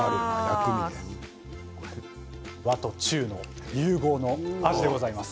和と中の融合の味でございます。